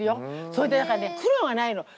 それでだからね苦労がないの。